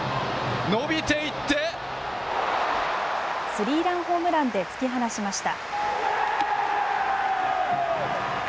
スリーランホームランで突き放しました。